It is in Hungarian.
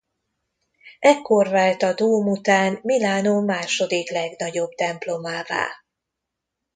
Ekkor vált a dóm után Milánó második legnagyobb templomává.